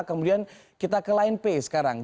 kemudian kita ke line p sekarang